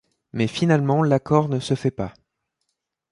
Mais finalement l'accord ne se fait pas.